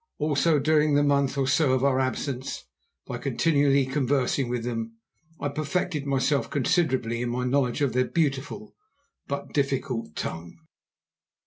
Also, during the month or so of our absence, by continually conversing with them, I perfected myself considerably in my knowledge of their beautiful but difficult tongue.